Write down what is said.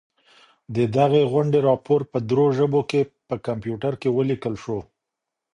د دغي غونډې راپور په درو ژبو کي په کمپیوټر کي ولیکل سو.